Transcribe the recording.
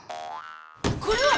これは！